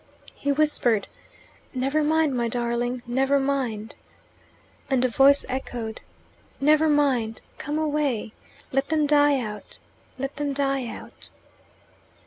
He whispered, "Never mind, my darling, never mind," and a voice echoed, "Never mind come away let them die out let them die out."